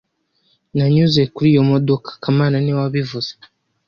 Nanyuze kuri iyo modoka kamana niwe wabivuze